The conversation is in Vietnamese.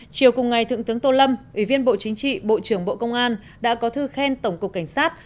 chiều cùng ngày thượng tướng tô lâm ủy viên bộ chính trị bộ trưởng bộ công an đã có thư khen tổng cục cảnh sát